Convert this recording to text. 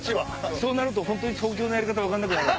そうなると本当に東京のやり方分からなくなるんで。